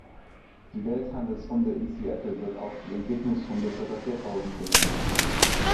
Die Welthandelsrunde in Seattle wird auch die "Entwicklungsrunde" für das Jahrtausend genannt.